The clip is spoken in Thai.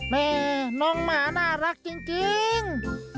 แม่น้องหมาน่ารักจริง